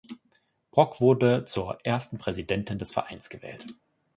Brock wurde zur ersten Präsidentin des Vereins gewählt.